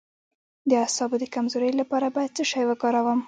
د اعصابو د کمزوری لپاره باید څه شی وکاروم؟